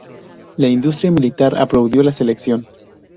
La industria militar aplaudió la selección.